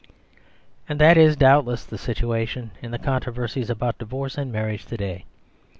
And that is doubtless the situation in the controversies about divorce and marriage to day.